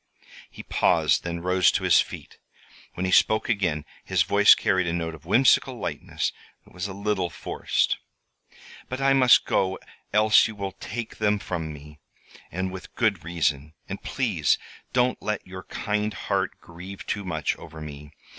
He paused, then rose to his feet. When he spoke again his voice carried a note of whimsical lightness that was a little forced. "But I must go else you will take them from me, and with good reason. And please don't let your kind heart grieve too much over me.